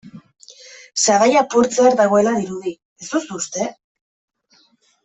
Sabaia apurtzear dagoela dirudi, ez duzu uste?